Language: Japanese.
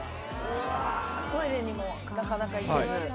うわトイレにもなかなか行けず。